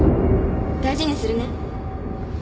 大事にするね。